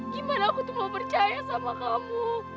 gimana aku tuh mau percaya sama kamu